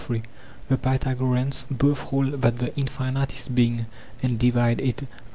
(The Pythagoreans) both hold that the infinite is being, and divide it. iv.